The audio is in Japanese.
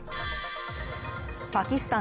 パキスタン